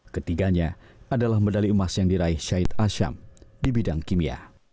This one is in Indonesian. ketiganya adalah medali emas yang diraih syahid asyam di bidang kimia